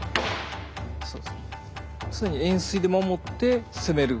常に円錐で守って攻める。